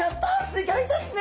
すギョいですね！